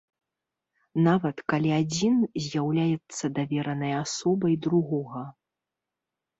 Нават калі адзін з'яўляецца даверанай асобай другога.